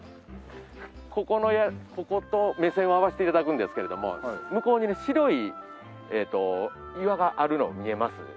ここと目線を合わせて頂くんですけれども向こうにね白い岩があるの見えます？